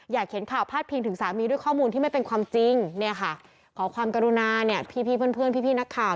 เขียนข่าวพาดพิงถึงสามีด้วยข้อมูลที่ไม่เป็นความจริงเนี่ยค่ะขอความกรุณาเนี่ยพี่เพื่อนพี่นักข่าว